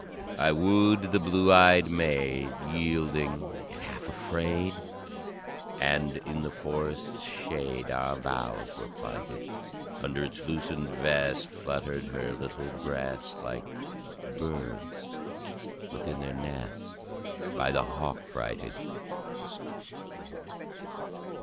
"I wooed the blue eyed maid, Yielding, yet half afraid, And in the forest's shade Our vows were plighted. Under its loosened vest Fluttered her little breast, Like birds within their nest By the hawk frighted.